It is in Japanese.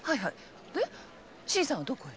新さんはどこへ？